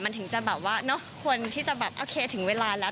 มันถึงจะแบบว่าเนอะควรที่จะแบบโอเคถึงเวลาแล้ว